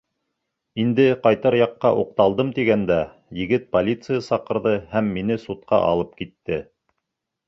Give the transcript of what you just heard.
Инде ҡайтыр яҡҡа уҡталдым тигәндә, егет полиция саҡырҙы һәм мине судҡа алып китте.